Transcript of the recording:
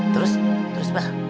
terus terus apa